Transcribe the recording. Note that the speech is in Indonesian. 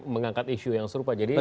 mengangkat isu yang serupa